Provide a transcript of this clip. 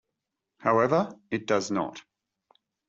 However, it does not.